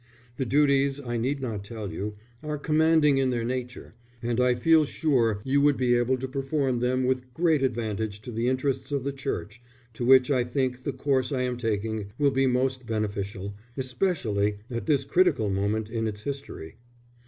The duties, I need not tell you, are commanding in their nature; and I feel sure you would be able to perform them with great advantage to the interests of the Church, to which I think the course I am taking will be most beneficial, especially at this critical moment in its history.